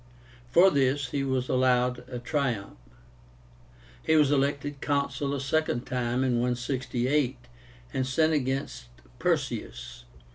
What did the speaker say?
For this he was allowed a triumph. He was elected Consul a second time in 168, and sent against Perseus.